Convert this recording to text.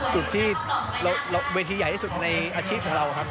จุดที่เวทีใหญ่ที่สุดในอาชีพของเราครับ